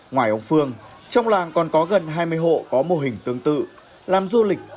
ngoài ông phương trong làng còn có gần hai mươi hộ có mô hình tương tự làm du lịch